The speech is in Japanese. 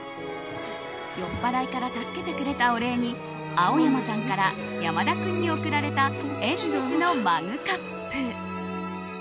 酔っ払いから助けてくれたお礼に青山さんから山田君に贈られたエルメスのマグカップ。